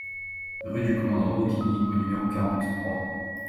Rue du Commandant Roquigny au numéro quarante-trois